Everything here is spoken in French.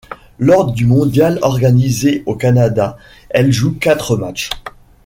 Lors du mondial organisé au Canada, elle joue quatre matchs.